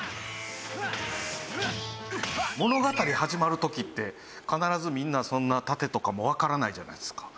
物語始まる時って必ずみんなそんな殺陣とかもわからないじゃないですか。